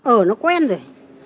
ở nó quen rồi